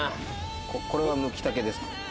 これがムキタケですか。